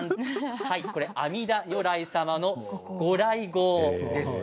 阿弥陀如来様の「御来迎」です。